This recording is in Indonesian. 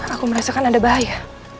aku merasakan ada bahaya